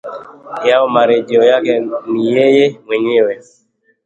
yawe marejeo yake ni yeye mwenyewe